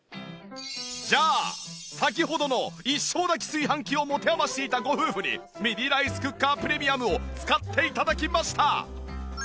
じゃあ先ほどの一升炊き炊飯器を持て余していたご夫婦にミニライスクッカープレミアムを使って頂きました！